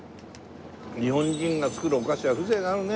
日本人が作るお菓子は風情があるね